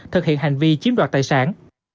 thực hiện hành vi chiếm đoạt tài sản